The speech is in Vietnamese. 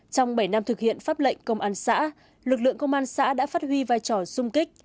trong bảy năm thực hiện pháp lệnh công an xã lực lượng công an xã đã phát huy vai trò sung kích